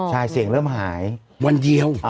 ใช่เสียงเริ่มหาย